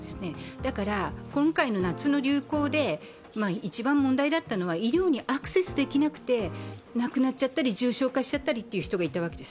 だから今回の夏の流行で一番問題だったのは、医療にアクセスできなくて亡くなっちゃったり重症化しちゃったりという人がいたわけです。